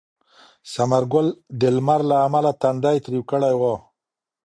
ثمر ګل د لمر له امله تندی تریو کړی و.